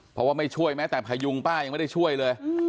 เพราะว่าไม่ช่วยแม้แต่พยุงป้ายังไม่ได้ช่วยเลย